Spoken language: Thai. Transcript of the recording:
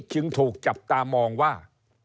จึงถูกจับตามองว่า